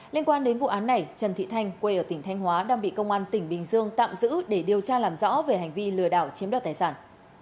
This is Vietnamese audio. liên quan đến vụ án này trần thị thanh quê ở tỉnh thanh hóa đang bị công an tỉnh bình dương tạm giữ để điều tra làm rõ về hành vi lừa đảo chiếm đoạt tài sản